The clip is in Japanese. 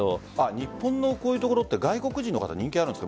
日本のこういう所は外国人の方に人気あるんですか？